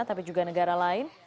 tapi juga negara lain